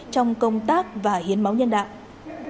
trong công tác và hiến máu nhân đạo